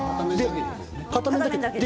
片面だけで。